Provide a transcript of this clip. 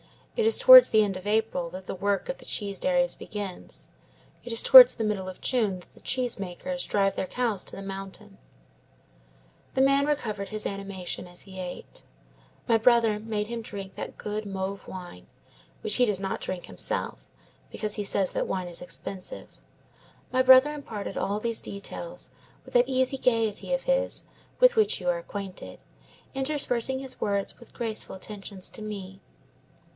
It is towards the end of April that the work of the cheese dairies begins; it is towards the middle of June that the cheese makers drive their cows to the mountains.' "The man recovered his animation as he ate. My brother made him drink that good Mauves wine, which he does not drink himself, because he says that wine is expensive. My brother imparted all these details with that easy gayety of his with which you are acquainted, interspersing his words with graceful attentions to me.